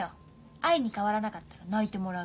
愛に変わらなかったら泣いてもらう。